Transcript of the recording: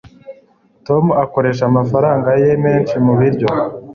tom akoresha amafaranga ye menshi mu biryo